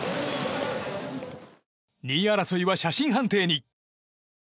２位争いは写真判定に。